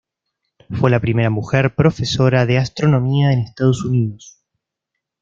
Fue la primera mujer profesora de astronomía en Estados Unidos.